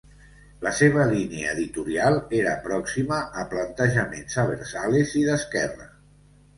La seva línia editorial era pròxima a plantejaments abertzales i d'esquerra.